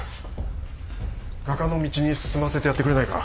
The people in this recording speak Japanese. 画家の道に進ませてやってくれないか？